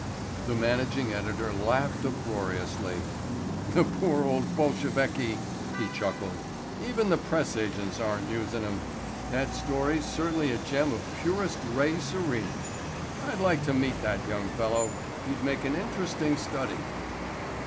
'" The managing editor laughed uproariously. "The poor old Bolsheviki," he chuckled. "Even the press agents are using 'em. That story's certainly a gem of purest ray serene. I'd like to meet that young fellow. He'd make an interesting study."